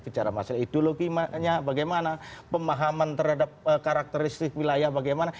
bicara masalah ideologinya bagaimana pemahaman terhadap karakteristik wilayah bagaimana